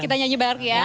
oke kita nyanyi bareng ya